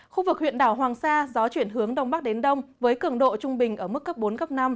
khu vực huyện đảo hoàng sa gió chuyển hướng đông bắc đến đông với cường độ trung bình ở mức cấp bốn cấp năm